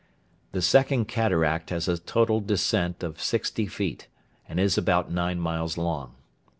The Second Cataract has a total descent of sixty feet, and is about nine miles long.